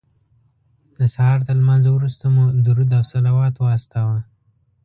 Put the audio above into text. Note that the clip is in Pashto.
د سهار تر لمانځه وروسته مو درود او صلوات واستاوه.